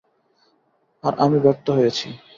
আর আমি ব্যর্থ হয়েছি।